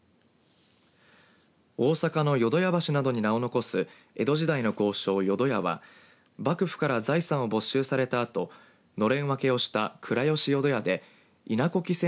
大阪の淀屋橋などに名を残す江戸時代の豪商、淀屋は幕府から財産を没収されたあとのれん分けをした倉吉淀屋で稲扱千